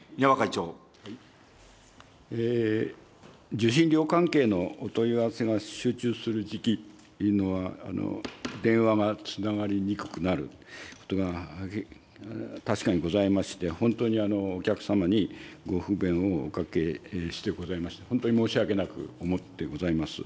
受信料関係のお問い合わせが集中する時期の電話がつながりにくくなることが、確かにございまして、本当にお客様にご不便をおかけしてございまして、本当に申し訳なく思ってございます。